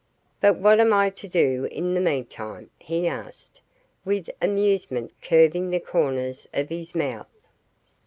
"But what am I to do in the meantime?" he asked, with amusement curving the corners of his mouth.